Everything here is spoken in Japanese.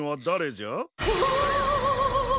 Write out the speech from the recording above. うわ！